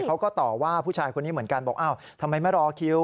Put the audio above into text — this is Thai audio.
เขาก็ต่อว่าผู้ชายคนนี้เหมือนกันบอกอ้าวทำไมไม่รอคิว